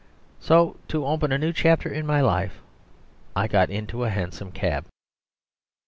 So to open a new chapter in my life I got into a hansom cab. VII.